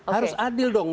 harus adil dong